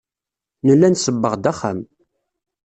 Nella nsebbeɣ-d axxam.